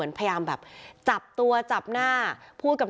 ลองไปดูบรรยากาศช่วงนั้นนะคะ